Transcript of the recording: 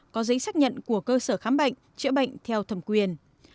có giấy xác nhận của cơ sở khám bệnh chữa bệnh theo thẩm quyền